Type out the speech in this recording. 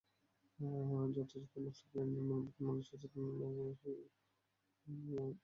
যথাযথ master plan, নির্মাণ বিধিমালা এবং সচেতনতার অভাবে বিশ্বের অন্যতম ঘনবসতিপূর্ণ শহর ঢাকা শহুরে বিপর্যয়ের উদাহরণ হয়ে উঠেছে।